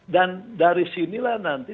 dan dari sinilah nanti